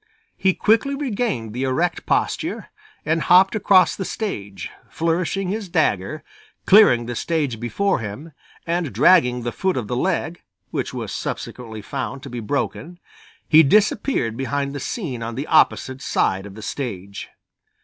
He quickly regained the erect posture and hopped across the stage, flourishing his dagger, clearing the stage before him and dragging the foot of the leg, which was subsequently found to be broken, he disappeared behind the scene on the opposite side of the stage.